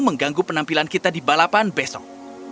mengganggu penampilan kita di balapan besok